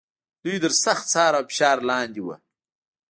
دوی تر سخت څار او فشار لاندې و.